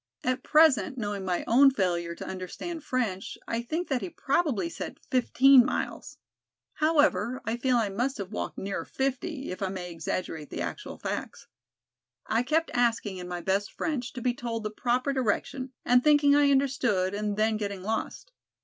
At present, knowing my own failure to understand French I think that he probably said fifteen miles. However, I feel I must have walked nearer fifty, if I may exaggerate the actual facts. I kept asking in my best French to be told the proper direction and thinking I understood and then getting lost.